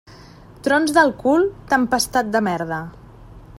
Trons del cul, tempestat de merda.